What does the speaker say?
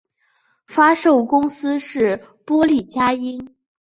发售公司是波丽佳音。